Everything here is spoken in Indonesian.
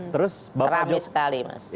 terus terami sekali mas